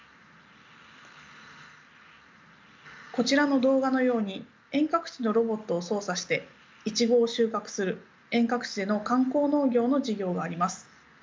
こちらの動画のように遠隔地のロボットを操作していちごを収穫する遠隔地での観光農業の事業があります。